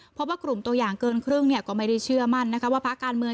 เพราะว่ากลุ่มตัวอย่างเกินครึ่งเนี่ยก็ไม่ได้เชื่อมั่นนะคะว่าภาคการเมือง